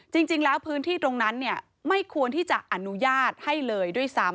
จริงแล้วพื้นที่ตรงนั้นไม่ควรที่จะอนุญาตให้เลยด้วยซ้ำ